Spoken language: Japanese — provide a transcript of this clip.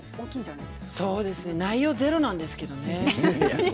内容はゼロなんですけどね。